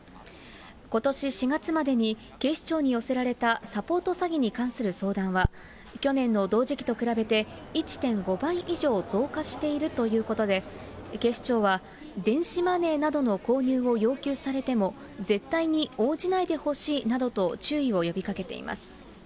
ことし４月までに、警視庁に寄せられたサポート詐欺に関する相談は、去年の同時期と比べて１．５倍以上増加しているということで、警視庁は、電子マネーなどの購入を要求されても、絶対に応じないでほしいなどと、注意を呼びかけています。